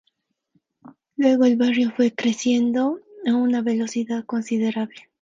Luego el barrio fue creciendo a una velocidad considerable.